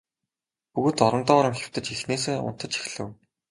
Бүгд орондоо орон хэвтэж эхнээсээ унтаж эхлэв.